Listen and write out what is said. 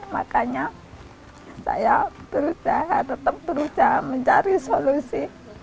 makanya saya berusaha tetap berusaha mencari solusi